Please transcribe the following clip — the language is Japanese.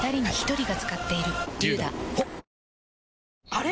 あれ？